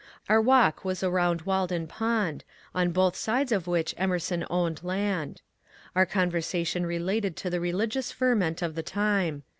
Our walk was around Walden Pond, on both sides of which Emerson owned land. Our conversation related to the reli gious ferment of the time.